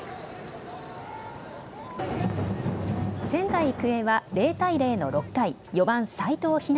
仙台育英は０対０の６回、４番・齋藤陽。